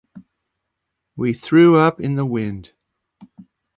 We threw up in the wind.